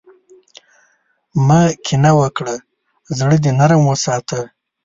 مه کینه وکړه، زړۀ دې نرم وساته.